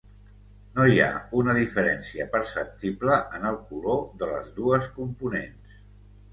No hi ha una diferència perceptible en el color de les dues components.